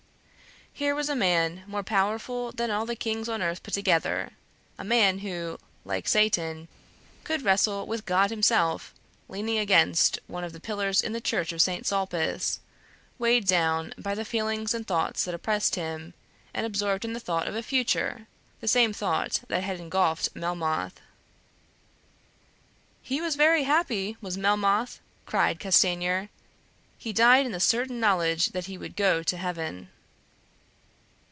Here was a man more powerful than all the kings on earth put together; a man who, like Satan, could wrestle with God Himself; leaning against one of the pillars in the Church of Saint Sulpice, weighed down by the feelings and thoughts that oppressed him, and absorbed in the thought of a Future, the same thought that had engulfed Melmoth. "He was very happy, was Melmoth!" cried Castanier. "He died in the certain knowledge that he would go to heaven."